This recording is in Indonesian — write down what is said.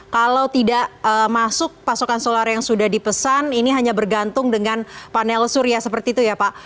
kalau tidak masuk pasokan solar yang sudah dipesan ini hanya bergantung dengan panel surya seperti itu ya pak